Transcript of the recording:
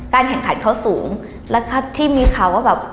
แข่งขันเขาสูงแล้วที่มีข่าวว่าแบบ